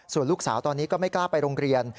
ส่วนลูกสาวตอนนี้ก็ไม่กล้าไปโรงเรียน